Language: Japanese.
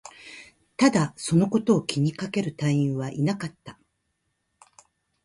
ただ、そのことを気にかける隊員はいなかった